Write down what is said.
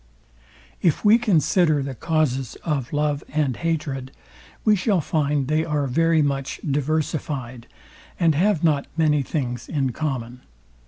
If we consider the causes of love and hatred, we shall find they are very much diversifyed, and have not many things in common.